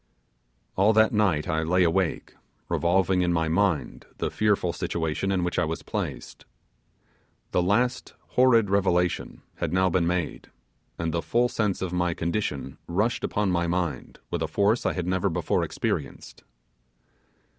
All that night I lay awake, revolving in my mind the fearful situation in which I was placed. The last horrid revelation had now been made, and the full sense of my condition rushed upon my mind with a force I had never before experienced.